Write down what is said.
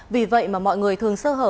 vì vậy mà mọi người thường sơ hở